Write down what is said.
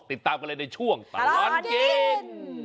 ติดตามกันเลยในช่วงตลอดกิน